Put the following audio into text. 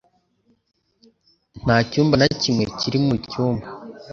Nta cyumba na kimwe cyari mu cyumba